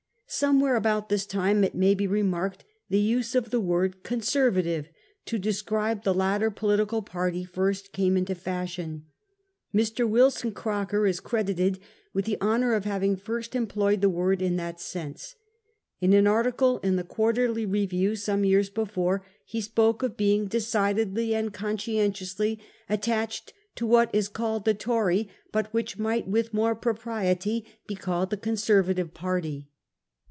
Somewhere about this time, it may be re marked, the use of the word ' Conservative ' to de scribe the latter political party first came into fashion. Mr. Wilson Croker is credited with the honour of having first employed the word in that sense. In an article in the 1 Quarterly Review,' some years before, he spoke of being decidedly and conscientiously at tached £ to what is called the Tory, but which might with more propriety be called the Conservative party.